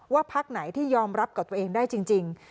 พักไหนที่ยอมรับกับตัวเองได้จริง